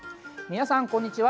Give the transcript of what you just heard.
皆さん、こんにちは。